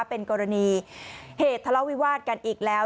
เป็นกรณีเหตุทะเลาวิวาสกันอีกแล้ว